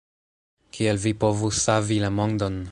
Kiel vi povus savi la mondon?